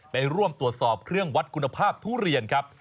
ไปร่วมตรวจสอบเครื่องวัดคุณภาพทุเรียนครับ